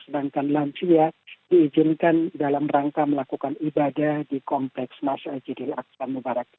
sedangkan lansia diizinkan dalam rangka melakukan ibadah di kompleks masjid al aqsa al mubarak